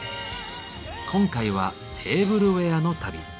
今回は「テーブルウエアの旅」。